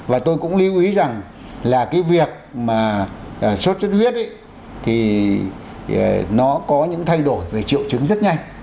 và tôi cũng lưu ý rằng là cái việc mà sốt xuất huyết thì nó có những thay đổi về triệu chứng rất nhanh